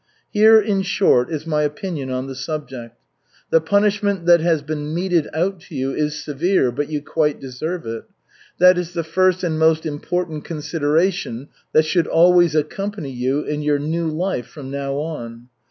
"Here, in short, is my opinion on the subject. The punishment that has been meted out to you is severe, but you quite deserve it. That is the first and most important consideration that should always accompany you in your new life from now on.